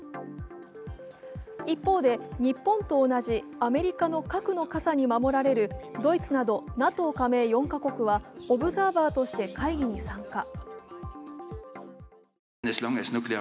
一方で、日本と同じアメリカの核の傘に守られるドイツなどドイツなどＮＡＴＯ加盟４か国はオブザーバーとして会議に参加。